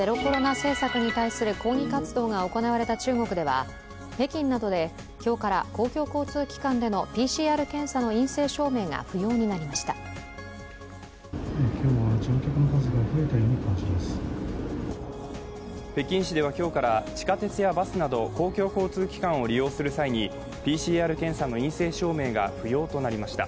政策に対する抗議活動が行われた中国は北京などで今日から公共交通機関でのＰＣＲ検査の陰性証明が不要になりました。